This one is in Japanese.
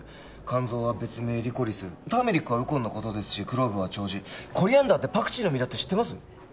甘草は別名リコリスターメリックはウコンのことですしクローブは丁子コリアンダーってパクチーの実だって知ってます？